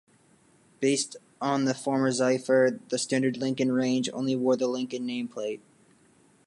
Based on the former Zephyr, the standard Lincoln range only wore the Lincoln nameplate.